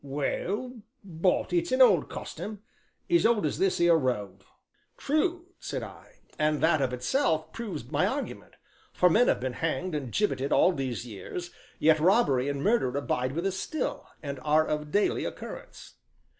"Well, but it's an old custom, as old as this here road." "True," said I, "and that of itself but proves my argument, for men have been hanged and gibbeted all these years, yet robbery and murder abide with us still, and are of daily occurrence."